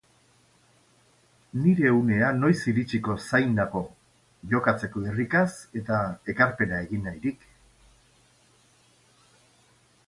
Nire unea noiz iritsiko zain nago, jokatzeko irrikaz eta ekarpena egin nahirik.